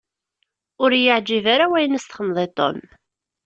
Ur y-iεǧib ara wayen i s-txedmeḍ i Tom.